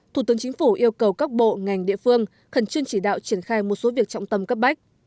thủ tướng chính phủ yêu cầu các bộ ngành địa phương khẩn trương chỉ đạo triển khai một số việc trọng tâm cấp bách